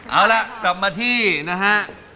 เอาล่ะกลับมาที่นะฮะ